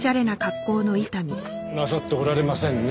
いえなさっておられませんね。